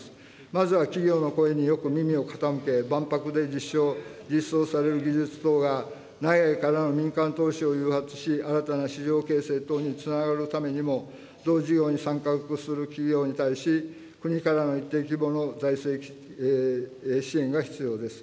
まずは企業の声によく耳を傾け、万博で実証・実装される技術等が内外からの民間投資を誘発し、新たな市場形成等につながるためにも、同事業に参画する企業に対し、国からの一定規模の財政支援が必要です。